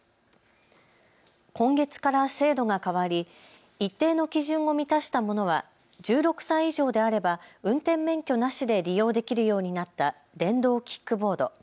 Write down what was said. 今月から制度が変わり一定の基準を満たしたものは１６歳以上であれば運転免許なしで利用できるようになった電動キックボード。